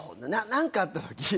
何かあったとき。